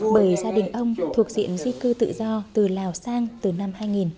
bởi gia đình ông thuộc diện di cư tự do từ lào sang từ năm hai nghìn